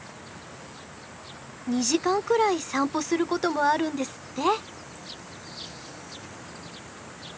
２時間くらい散歩することもあるんですって。